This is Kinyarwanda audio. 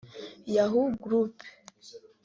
(Yahoo group)